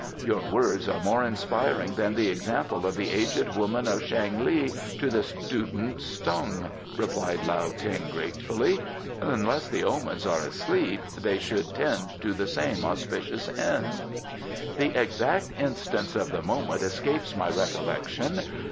"Your words are more inspiring than the example of the aged woman of Shang li to the student Tsung," declared Lao Ting gratefully. "Unless the Omens are asleep they should tend to the same auspicious end." "The exact instance of the moment escapes my recollection."